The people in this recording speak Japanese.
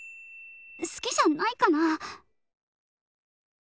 好きじゃないかな？